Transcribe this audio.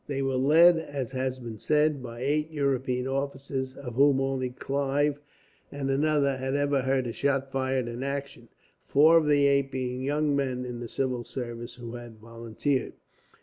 They were led, as has been said, by eight European officers, of whom only Clive and another had ever heard a shot fired in action, four of the eight being young men in the civil service, who had volunteered.